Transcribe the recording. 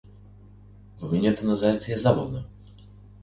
Ловењето на зајаци е забавно.